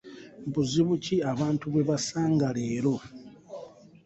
Buzibu ki abantu bwe basanga leero?